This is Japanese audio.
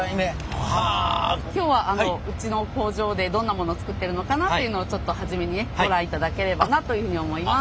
今日はうちの工場でどんなもの作ってるのかなっていうのをちょっと初めにねご覧いただければなというふうに思います。